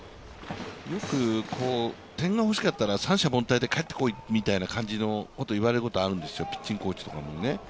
よく、点が欲しかったら三者凡退で帰ってこいと言われることがあるんですが、ピッチングコーチとかにもね。